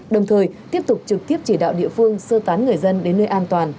đồng thời tiếp tục trực tiếp chỉ đạo địa phương sơ tán người dân đến nơi an toàn